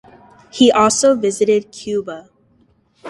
He also visited Cuba.